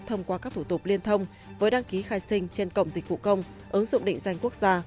thông qua các thủ tục liên thông với đăng ký khai sinh trên cổng dịch vụ công ứng dụng định danh quốc gia